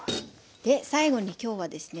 最後に今日はですね